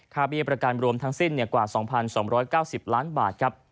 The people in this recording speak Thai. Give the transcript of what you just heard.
ค่าพิเศษประกันรวมทั้งสิ้นกว่า๒๒๙๐ล้านบาท